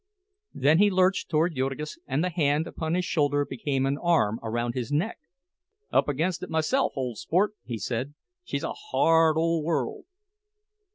Then he lurched toward Jurgis, and the hand upon his shoulder became an arm about his neck. "Up against it myself, ole sport," he said. "She's a hard ole world."